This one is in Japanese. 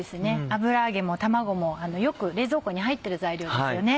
油揚げも卵もよく冷蔵庫に入ってる材料ですよね。